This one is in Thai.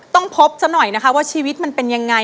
ต้องพบซะหน่อยนะคะว่าชีวิตมันเป็นยังไง